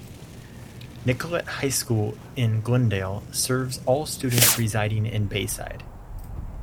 Nicolet High School in Glendale serves all students residing in Bayside.